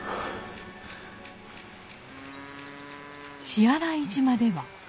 血洗島では。